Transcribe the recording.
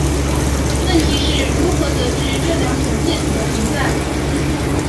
问题是如何得知这两种介子的存在。